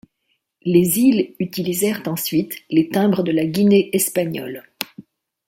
Les îles utilisèrent ensuite les timbres de la Guinée espagnole.